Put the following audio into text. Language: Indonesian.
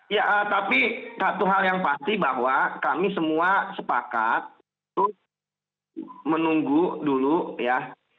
ya tapi satu hal yang pasti bahwa kami semua sepakat untuk menunggu dulu ya